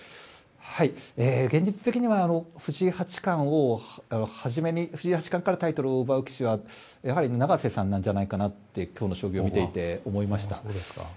現実的には藤井八冠から初めにタイトルを奪う棋士はやはり永瀬さんなんじゃないかなと今日の将棋を見ていて思いました。